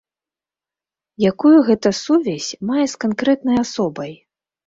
Якую гэта сувязь мае з канкрэтнай асобай?